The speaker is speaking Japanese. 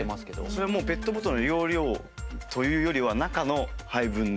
それはもうペットボトルの容量というよりは中の配分で変わるみたいな感じ？